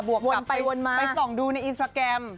บวกไปส่องดูในอินสตราแกรม